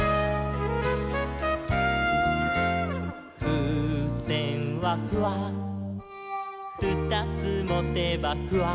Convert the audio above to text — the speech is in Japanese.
「ふうせんはフワふたつもてばフワ」